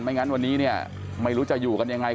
งั้นวันนี้เนี่ยไม่รู้จะอยู่กันยังไง